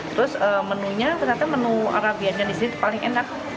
terus menunya ternyata menu arabianya di sini paling enak